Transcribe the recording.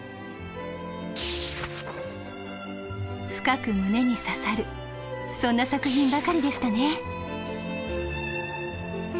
深く胸に刺さるそんな作品ばかりでしたね。